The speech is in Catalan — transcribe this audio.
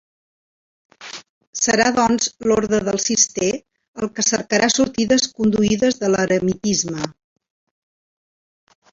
Serà doncs l'orde del Cister el que cercarà sortides conduïdes de l'eremitisme.